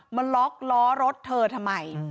มาล็อกล้อรถเธอทำไม